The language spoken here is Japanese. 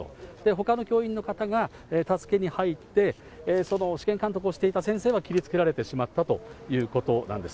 ほかの教員の方が助けに入って、その試験監督をしていた先生は、切りつけられてしまったということなんです。